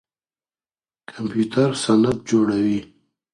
کمپيوټر سند جوړوي.